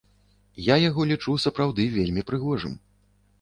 Я яго лічу сапраўды вельмі прыгожым.